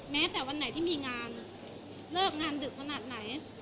แม้แต่วันไหนที่มีงานเลิกงานดึกขนาดไหน